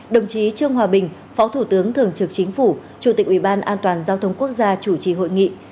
đồng chí trương hòa bình phó thủ tướng thường trực chính phủ chủ tịch ubndgqg chủ trì hội nghị